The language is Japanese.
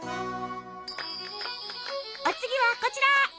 お次はこちら！